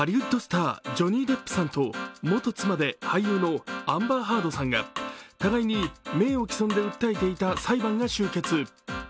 ハリウッドスター、ジョニー・デップさんと元妻で俳優のアンバー・ハードさんが互いに名誉棄損で訴えていた裁判が終結。